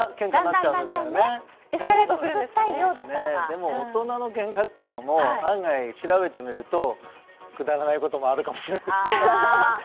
でも、大人のけんかも案外、調べてみるとくだらないこともあるかもしれないですね。